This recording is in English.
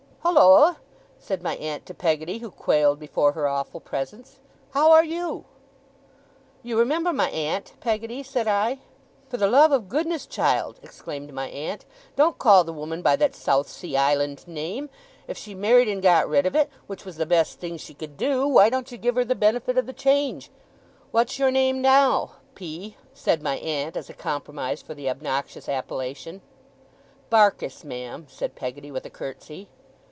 'Holloa!' said my aunt to Peggotty, who quailed before her awful presence. 'How are YOU?' 'You remember my aunt, Peggotty?' said I. 'For the love of goodness, child,' exclaimed my aunt, 'don't call the woman by that South Sea Island name! If she married and got rid of it, which was the best thing she could do, why don't you give her the benefit of the change? What's your name now, P?' said my aunt, as a compromise for the obnoxious appellation. 'Barkis, ma'am,' said Peggotty, with a curtsey.